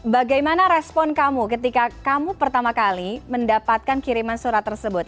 bagaimana respon kamu ketika kamu pertama kali mendapatkan kiriman surat tersebut